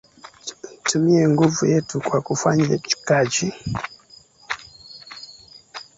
Tutumie nguvu yetu kwa kufanya kaji